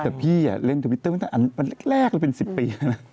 แต่พี่เล่นทวิตเตอร์มันแรกเป็น๑๐ปี